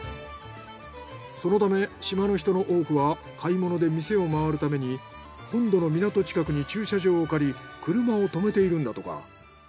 そのため島の人の多くは買い物で店をまわるために本土の港近くに駐車場を借り車を停めているんだとか。